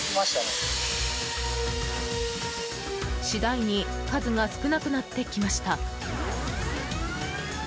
次第に数が少なくなってきました。